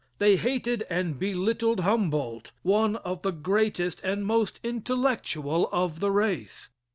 They hated and belittled Humboldt, one of the greatest and most intellectual of the race.